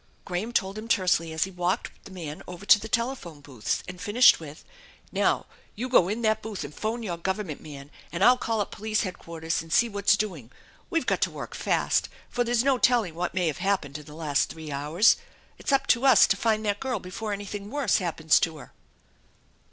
Graham told him tersely as he walked the man over to the telephone booths, and finished with: " Now, you go in that booth and phone your Government man, and I'll call up police headquarters and see whaf s doing. We've got to work fast, for there's no telling what may have happened in the last three hours. It's up to us to find that girl before anything worse happens to her."